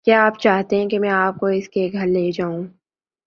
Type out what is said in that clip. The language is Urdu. کیا آپ چاہتے ہیں کہ میں آپ کو اس کے گھر لے جاؤں؟